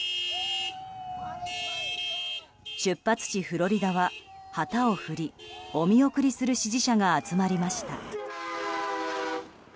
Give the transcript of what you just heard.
出発地フロリダは旗を振りお見送りする支持者が集まりました。